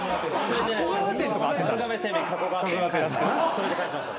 それで返しました。